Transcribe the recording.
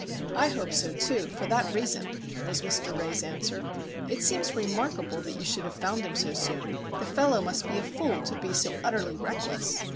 "I hope so, too, for that reason," was Mr. Ray's answer. "It seems remarkable that you should have found him so soon. The fellow must be a fool to be so utterly reckless."